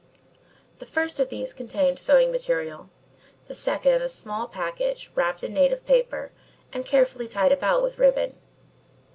The first of these contained sewing material, the second a small package wrapped in native paper and carefully tied about with ribbon.